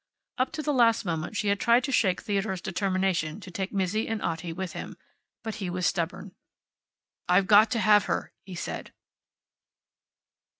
Up to the last moment she had tried to shake Theodore's determination to take Mizzi and Otti with him. But he was stubborn. "I've got to have her," he said.